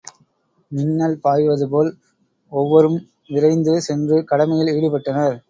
மின்னல் பாய்வது போல் ஒவ்வொரும் விரைந்து சென்று கடமையில் ஈடுபட்டனர்.